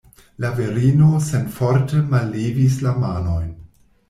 La virino senforte mallevis la manojn.